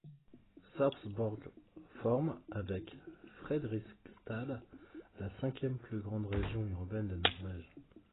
Sarpsborg forme, avec Fredrikstad, la cinquième plus grande région urbaine de la Norvège.